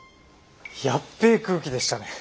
ヤッベえ空気でしたね。